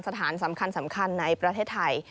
สถานสำคัญในประเทศไทย